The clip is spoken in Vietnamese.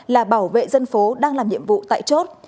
là bảo vệ dân phố đang làm nhiệm vụ tại chốt